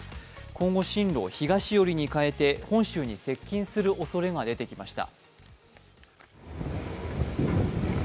今後進路を東寄りに変えて本州に接近するおそれが出てきました。